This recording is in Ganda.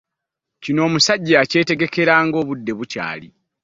Kino omusajja yakyetegekera nga bukyali.